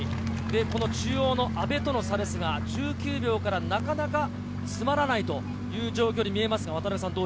中央の阿部との差は１９秒からなかなか詰らないという状況に見えます。